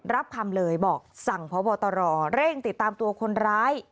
รับคำเลยบอกสั่งพบตรเร่งติดตามตัวคนร้าย